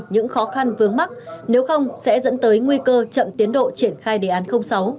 những khó khăn vướng mắt nếu không sẽ dẫn tới nguy cơ chậm tiến độ triển khai đề án sáu